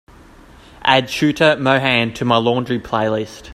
Add shweta mohan to my laundry playlist